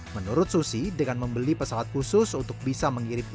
menurut susi dengan membeli pesawat khusus untuk bisa mengirimkan